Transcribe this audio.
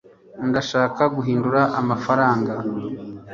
ndashaka guhindura amafaranga